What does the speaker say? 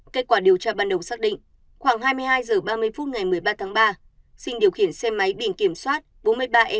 kết quả điều tra ban đầu xác định khoảng hai mươi hai h ba mươi phút ngày một mươi ba tháng ba sinh điều khiển xe máy biển kiểm soát bốn mươi ba e một bảy trăm hai mươi tám